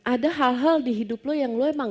ada hal hal di hidup lo yang lo emang